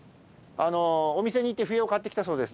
お店に行って、笛を買ってきたそうです。